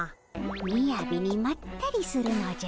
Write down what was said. みやびにまったりするのじゃ。